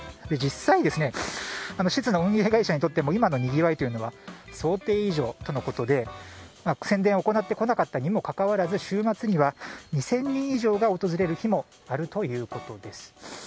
実際に施設の運営会社にとっても今のにぎわいというのは想定以上とのことで宣伝を行ってこなかったにもかかわらず週末には２０００人以上が訪れる日もあるということです。